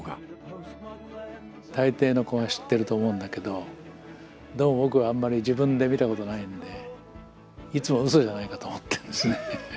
大抵の子は知ってると思うんだけどでも僕はあんまり自分で見たことないんでいつもうそじゃないかと思ってるんですね。